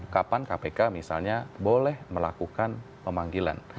kapan kpk misalnya boleh melakukan pemanggilan